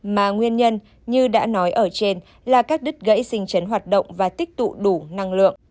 mà nguyên nhân như đã nói ở trên là các đứt gãy sinh chấn hoạt động và tích tụ đủ năng lượng